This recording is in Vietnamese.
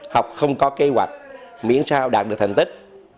học không có kế hoạch miễn sao đạt được thành tích